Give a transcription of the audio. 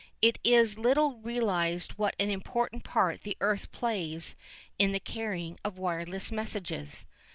It is little realised what an important part the earth plays in the carrying of wireless messages.